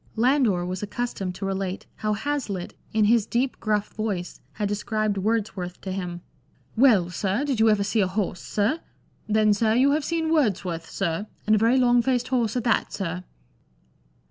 Landor was accustomed to relate how Hazlitt in his deep gruff voice had described Wordsworth to him. " Well, sir, did you ever see a horse, sir ? Then, sir, you have seen Words worth, sir, — and a very long faced horse at that, sir